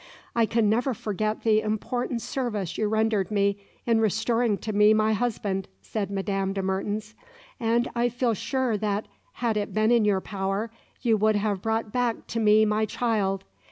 "I can never forget the important service you rendered me in restoring to me my husband," said Madame de Mertens, "and I feel sure that, had it been in your power, you would have brought back to me my child.